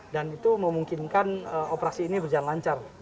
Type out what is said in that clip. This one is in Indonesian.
dan itu memungkinkan operasi ini berjalan lancar